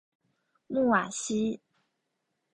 穆瓦西。